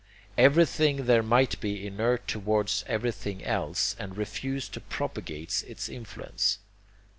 Everything there might be inert towards everything else, and refuse to propagate its influence.